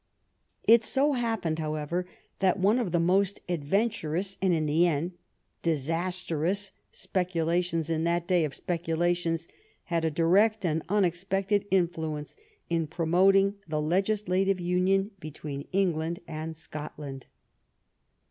It so happened, however, that one of the most ad venturous and in the end disastrous speculations in that day of speculations had a direct and unexpected influence in promoting the legislative union between England and Scotland.